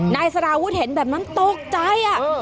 นายสารวุฒิเห็นแบบนั้นตกใจ